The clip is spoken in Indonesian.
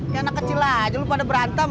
ya anak kecil aja lu pada berantem